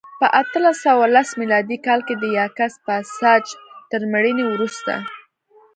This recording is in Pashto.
په اته سوه لس میلادي کال کې د یاکس پاساج تر مړینې وروسته